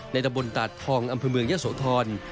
ในดำบลตัดทองอำพือเมืองยศโทน